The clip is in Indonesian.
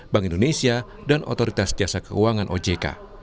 bank indonesia dan otoritas jasa keuangan ojk